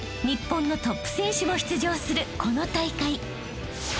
日本のトップ選手も出場するこの大会］